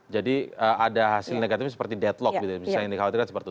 jadi ada hasil negatifnya seperti deadlock gitu ya misalnya yang dikhawatirkan seperti itu